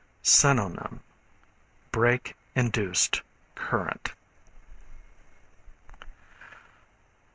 Synonym Break Induced Current.